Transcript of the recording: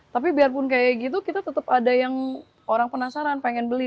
tapi biarpun kayak gitu kita tetap ada yang orang penasaran pengen beli